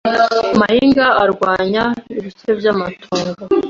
Mahinguka arwanya i Bukebyamato